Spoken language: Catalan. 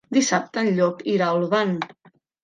Dissabte en Llop irà a Olvan.